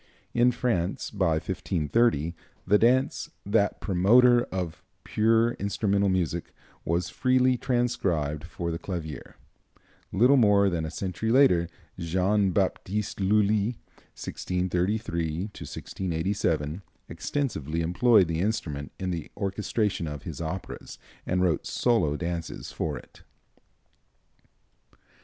In France, by 1530, the dance, that promoter of pure instrumental music, was freely transcribed for the clavier. Little more than a century later, Jean Baptiste Lully (1633 1687) extensively employed the instrument in the orchestration of his operas, and wrote solo dances for it.